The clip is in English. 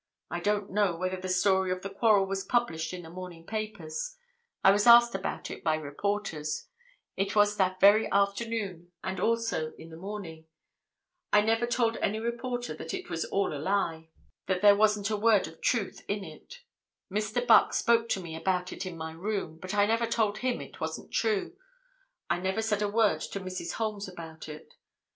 I don't know whether the story of the quarrel was published in the morning papers; I was asked about it by reporters; it was that very afternoon, and also in the morning; I never told any reporter that it was all a lie, that there wasn't a word of truth in it; Mr. Buck spoke to me about it in my room, but I never told him it wasn't true; I never said a word to Mrs. Holmes about it.